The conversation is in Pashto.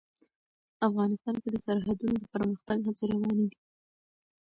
افغانستان کې د سرحدونه د پرمختګ هڅې روانې دي.